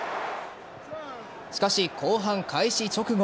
しかし、後半開始直後